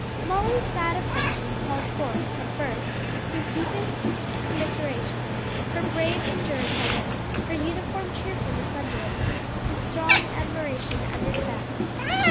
Molly's sad affliction called forth, from the first, his deepest commiseration; her brave endurance of it, her uniform cheerfulness under it, his strong admiration and respect.